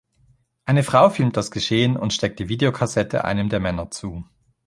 Eine Frau filmt das Geschehen und steckt die Videokassette einem der Männer zu.